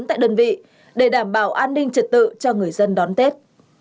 tại đơn vị để đảm bảo an ninh trật tự cho người dân đón tết